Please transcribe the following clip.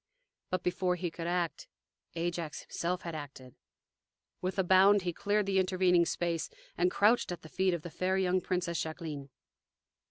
But before he could act, Ajax himself had acted. With a bound he cleared the intervening space and crouched at the feet of the fair young Princess Jacqueline!